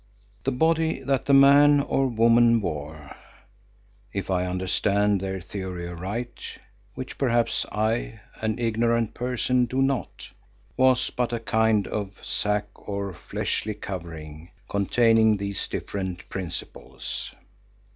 The body that the man or woman wore, if I understand their theory aright which perhaps I, an ignorant person, do not, was but a kind of sack or fleshly covering containing these different principles.